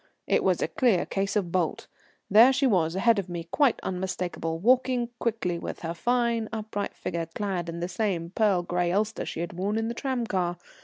It was a clear case of bolt. There she was ahead of me, quite unmistakable, walking quickly, with her fine upright figure clad in the same pearl gray ulster she had worn in the tram car.